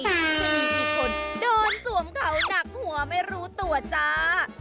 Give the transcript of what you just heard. มีกี่คนโดนสวมเขาหนักหัวไม่รู้ตัวจ้า